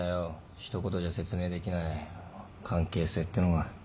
一言じゃ説明できない関係性ってのが。